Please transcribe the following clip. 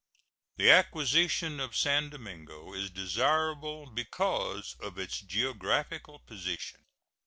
The acquisition of San Domingo is desirable because of its geographical position.